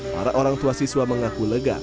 para orang tua siswa mengaku lega